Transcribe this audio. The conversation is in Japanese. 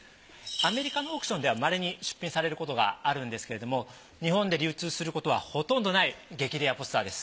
アメリカのオークションではまれに出品されることがあるんですけれども日本で流通することはほとんどない激レアポスターです。